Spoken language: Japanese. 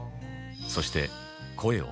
そして